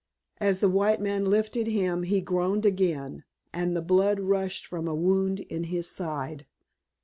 As the white man lifted him he groaned again and the blood rushed from a wound in his side.